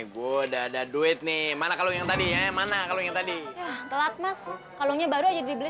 gue udah ada duit nih mana kalau tadi ya mana kalau tadi telat mas kalau nya baru jadi beli